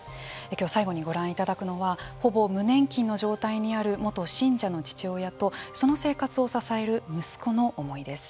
今日、最後にご覧いただくのはほぼ無年金の状態にある元信者の父親とその生活を支える息子の思いです。